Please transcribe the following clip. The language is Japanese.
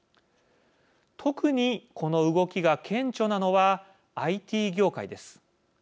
特に、この動きが顕著なのはＩＴ業界です。